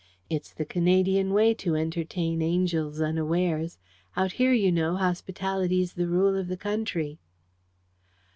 It's the Canadian way to entertain Angels unawares. Out here, you know, hospitality's the rule of the country."